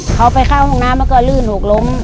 เขาไปเข้าห้องน้ำแล้วก็ลื่นถูกล้ม